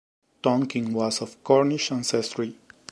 Tonkin was of Cornish ancestry.